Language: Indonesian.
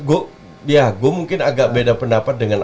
gue mungkin agak beda pendapat dengan